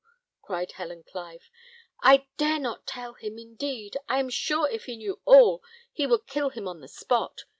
cried Helen Clive; "I dare not tell him, indeed. I am sure if he knew all he would kill him on the spot.